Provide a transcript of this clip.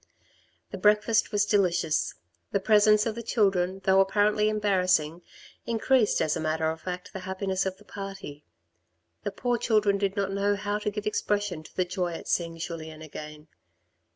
The breakfast was delicious. The presence of the children, though apparently embarrassing, increased as a matter of fact the happiness of the party. The poor children did not know how to give expression to the joy at seeing Julien again.